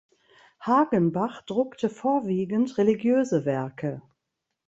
Hagenbach druckte vorwiegend religiöse Werke.